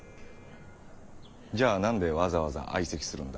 じゃあなんでわざわざ相席するんだ。